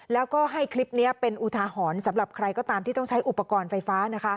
แล้วก็ให้คลิปนี้เป็นอุทาหรณ์สำหรับใครก็ตามที่ต้องใช้อุปกรณ์ไฟฟ้า